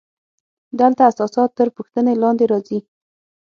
دلته اساسات تر پوښتنې لاندې راځي.